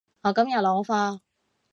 我今日攞貨